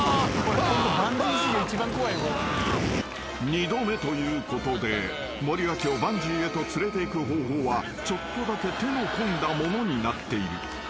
［二度目ということで森脇をバンジーへと連れていく方法はちょっとだけ手の込んだものになっている］